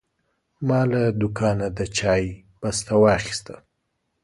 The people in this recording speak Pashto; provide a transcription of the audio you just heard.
ما له دوکانه د چای بسته واخیسته.